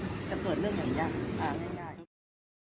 ตอนนี้กำหนังไปคุยของผู้สาวว่ามีคนละตบ